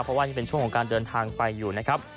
เพราะว่ายังเป็นช่วงของการเดินทางไปอยู่นะครับ